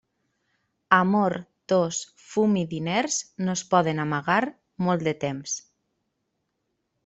Amor, tos, fum i diners, no es poden amagar molt de temps.